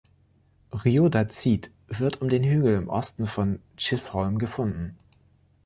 Rhyodazit wird um den Hügel im Osten von Chisholm gefunden.